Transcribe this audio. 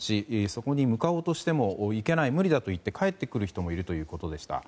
そこに向かおうとしても行けない、無理だと言って帰ってくる人もいるということでした。